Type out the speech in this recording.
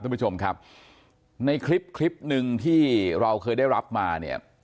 ท่านผู้ชมครับในคลิปคลิปหนึ่งที่เราเคยได้รับมาเนี่ย